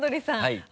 はい。